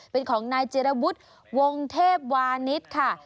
เป็นของนายเจรวุทธ์วงเทพวาณิชช์ค่ะ